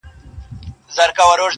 زه چي کله دېوانه سوم فرزانه سوم-